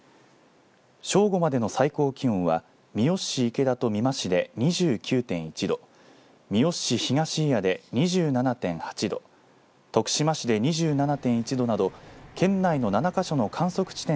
正午までの最高気温は三好市池田と美馬市で２９．１度三好市東祖谷で２７．８度徳島市で２７．１度など県内の７か所の観測地点